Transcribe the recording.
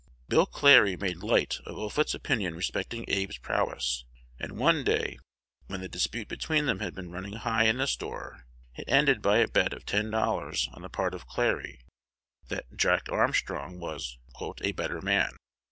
Bill Clary made light of Offutt's opinion respecting Abe's prowess; and one day, when the dispute between them had been running high in the store, it ended by a bet of ten dollars on the part of Clary that Jack Armstrong was "a better man."